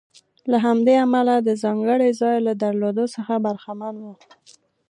له همدې امله د ځانګړي ځای له درلودلو څخه برخمن و.